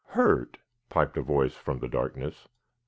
"Hurt?" piped a voice from the darkness.